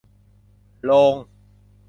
โลง